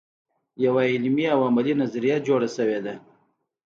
یوه علمي او عملي نظریه جوړه شوې ده.